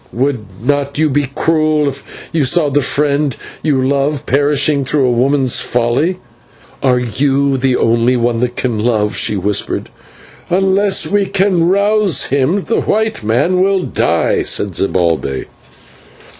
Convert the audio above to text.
Would not you be cruel if you saw the friend you love perishing through a woman's folly?" "Are you the only one that can love?" she whispered. "Unless we can rouse him the white man will die," said Zibalbay.